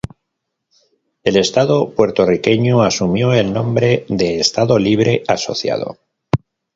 El estado puertorriqueño asumió el nombre de Estado Libre Asociado.